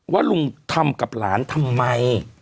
ว่าลุงทำกับหลานทำไม